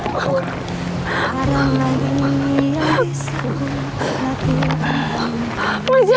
mas jangan mas